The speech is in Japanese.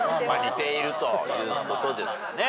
似ているということですかね。